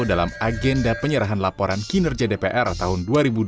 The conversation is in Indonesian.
dalam agenda penyerahan laporan kinerja dpr tahun dua ribu dua puluh satu dua ribu dua puluh dua